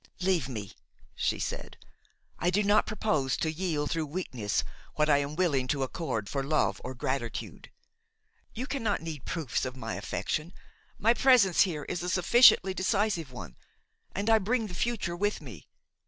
"Leave me," she said; "I do not propose to yield through weakness what I am willing to accord for love or gratitude. You cannot need proofs of my affection: my presence here is a sufficiently decisive one, and I bring the future with me.